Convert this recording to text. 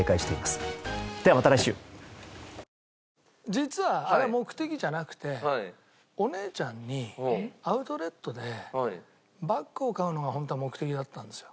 実はあれは目的じゃなくてお姉ちゃんにアウトレットでバッグを買うのがホントは目的だったんですよ。